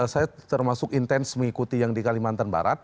saya termasuk intens mengikuti yang di kalimantan barat